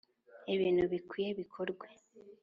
Ibintu bikwiye bikorwe.